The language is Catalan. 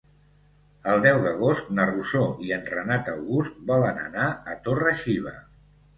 El deu d'agost na Rosó i en Renat August volen anar a Torre-xiva.